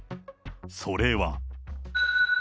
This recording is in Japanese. それは。